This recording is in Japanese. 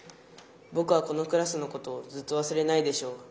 ぼくはこのクラスのことをずっとわすれないでしょう。